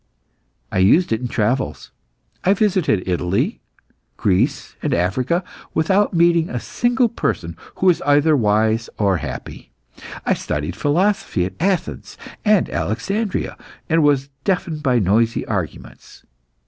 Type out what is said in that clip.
I used it in travels. I visited Italy, Greece, and Africa without meeting a single person who was either wise or happy. I studied philosophy at Athens and Alexandria, and was deafened by noisy arguments.